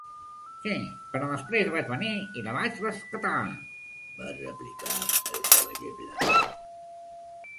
'Sí, però després vaig venir i la vaig rescatar!' va replicar el cavaller blanc.